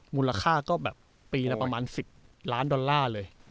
มูลค่าก็แบบปีละประมาณ๑๐ล้านดอลลาร์เลย